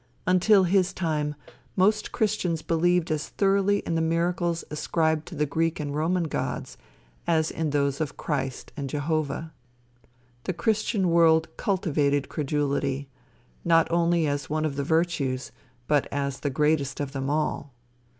Until his time, most christians believed as thoroughly in the miracles ascribed to the Greek and Roman gods as in those of Christ and Jehovah. The christian world cultivated credulity, not only as one of the virtues, but as the greatest of them all.